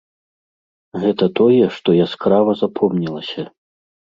Гэта тое, што яскрава запомнілася.